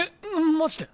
マジで？